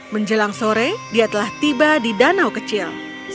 menjelang sore dia telah tiba di danau kecil